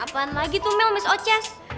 apaan lagi tuh mel miss oces